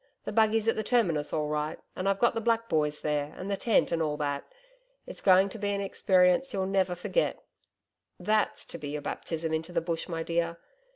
The buggy's at the Terminus all right, and I've got the black boys there, and the tent and all that. It's going to be an experience you'll never forget. THAT'S to be your baptism into the Bush, my dear